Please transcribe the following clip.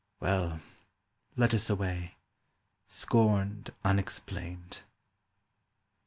Well, let us away, scorned unexplained.